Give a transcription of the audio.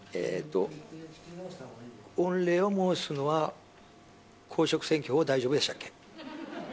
御礼を申すのは公職選挙法大丈夫でしたっけ？